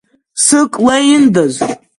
Сык леиндаз…